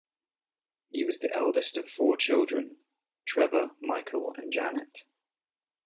He was the eldest of four children: Trevor, Michael, and Janet.